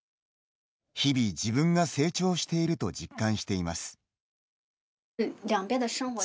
日々、自分が成長していると実感しています。